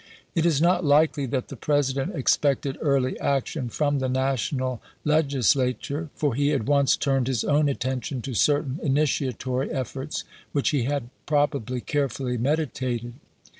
It is not likely that the President expected early action from the national Legislature, for he at once turned his own attention to certain initiatory efforts which he had probably carefully meditated.